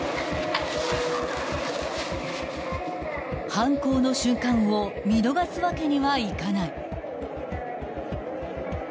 ［犯行の瞬間を見逃すわけにはいかない］